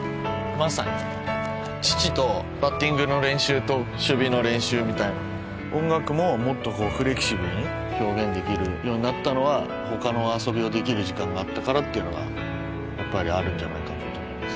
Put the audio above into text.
まさに父とバッティングの練習と守備の練習みたいな音楽ももっとこうフレキシブルに表現できるようになったのは他の遊びをできる時間があったからっていうのがやっぱりあるんじゃないかと思います